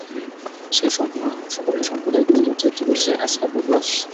সেই সম্পূর্ণ ধ্বংসপ্রাপ্ত সম্প্রদায়গুলোর মধ্যে একটি হচ্ছে আসহাবুর রসস।